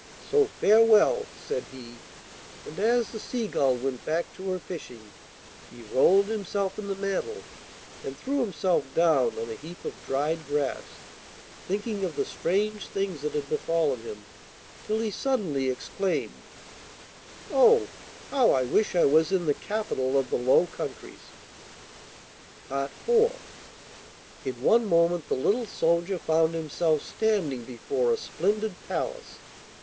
So farewell,' said he, and as the Seagull went back to her fishing he rolled himself in the mantle and threw himself down on a heap of dried grass, thinking of the strange things that had befallen him, till he suddenly exclaimed: 'Oh, how I wish I was in the capital of the Low Countries!' IV In one moment the little soldier found himself standing before a splendid palace.